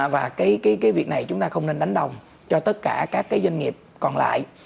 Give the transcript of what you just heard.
và cái việc này chúng ta không nên đánh đồng cho tất cả các doanh nghiệp còn lại